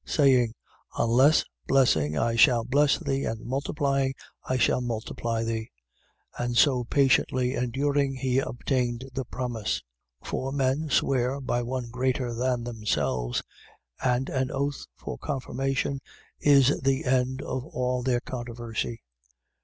Saying: Unless blessing I shall bless thee and multiplying I shall multiply thee. 6:15. And so patiently enduring he obtained the promise. 6:16. For men swear by one greater than themselves: and an oath for confirmation is the end of all their controversy.